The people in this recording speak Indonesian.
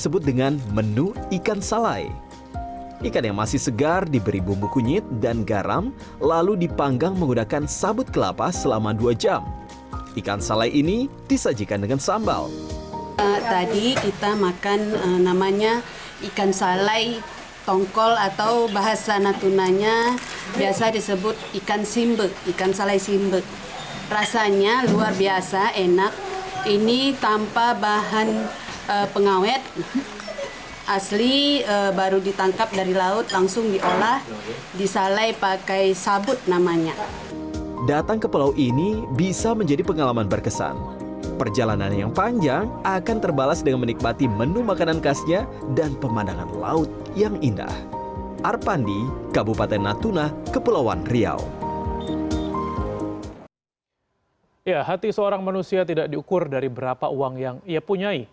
berapa uang yang ia punyai